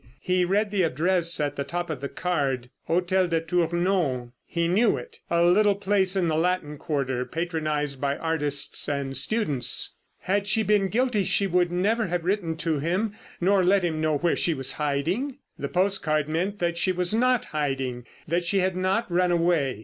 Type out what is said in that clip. He read the address at the top of the card—"Hotel de Tournon." He knew it, a little place in the Latin Quarter patronised by artists and students. Had she been guilty she would never have written to him nor let him know where she was hiding. The postcard meant that she was not hiding, that she had not run away.